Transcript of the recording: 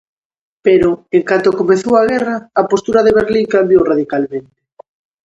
Pero, en canto comezou a guerra, a postura de Berlín cambiou radicalmente.